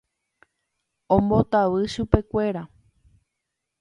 ombotavy chupekuéra